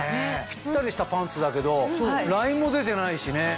ピッタリしたパンツだけどラインも出てないしね。